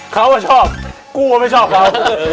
เขาอ่ะชอบกูอ่ะไม่ชอบเขา